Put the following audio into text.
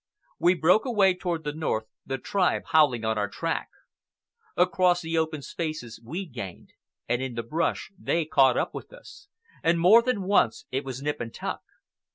We broke away toward the north, the tribe howling on our track. Across the open spaces we gained, and in the brush they caught up with us, and more than once it was nip and tuck.